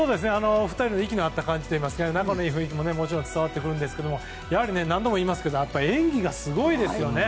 ２人の息の合った感じといいますか仲のいい雰囲気ももちろん伝わってきますが何度も言いますが演技がすごいですよね。